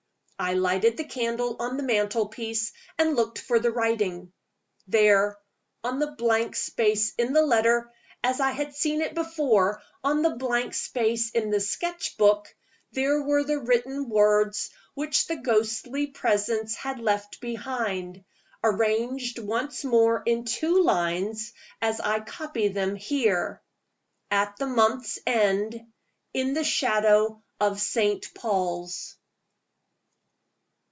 I lighted the candle on the mantel piece, and looked for the writing. There, on the blank space in the letter, as I had seen it before on the blank space in the sketch book there were the written words which the ghostly Presence had left behind it; arranged once more in two lines, as I copy them here: At the month's end, In the shadow of Saint Paul's.